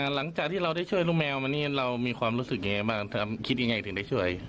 หลังจากที่เราได้ช่วยลูกแมวมานี่เรามีความรู้สึกยังไงบ้างคิดยังไงถึงได้ช่วย